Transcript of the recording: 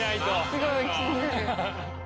すごい気になる！